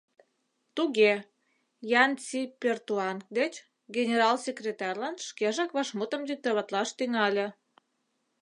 — Туге, Ян-Си-Пертуанг деч, — генерал секретарьлан шкежак вашмутым диктоватлаш тӱҥале.